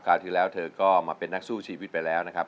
ที่แล้วเธอก็มาเป็นนักสู้ชีวิตไปแล้วนะครับ